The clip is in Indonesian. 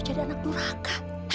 jadi anak nuraka